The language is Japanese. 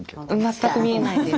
全く見えないです。